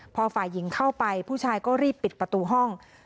พอฝ่ายหญิงเข้าไปผู้ชายก็รีบปิดประตูห้อง